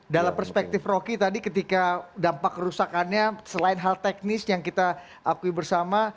dalam perspektif rocky tadi ketika dampak kerusakannya selain hal teknis yang kita akui bersama